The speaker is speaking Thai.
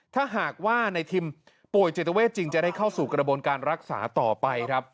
ถ้าหากว่าในทิมป่วยจิตเวทจริงจะได้เข้าสู่กระบวนการรักษาต่อไปครับ